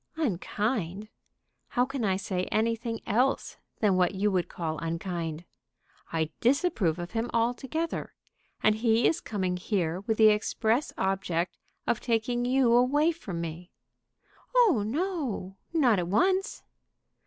"Unkind! How can I say anything else than what you would call unkind? I disapprove of him altogether. And he is coming here with the express object of taking you away from me." "Oh no; not at once."